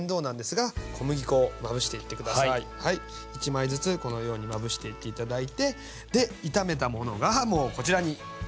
１枚ずつこのようにまぶしていって頂いてで炒めたものがもうこちらにできております。